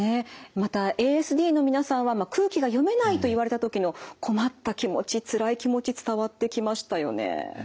またＡＳＤの皆さんは空気が読めないと言われた時の困った気持ちつらい気持ち伝わってきましたよね。